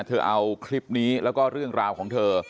เธอเอาคลิปนี้แล้วก็เรื่องราวของเธอ